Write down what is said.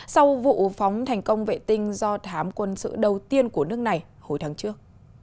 sau vụ phóng thành công vệ tinh do thám quân sự đầu tiên của nước này hồi tháng trước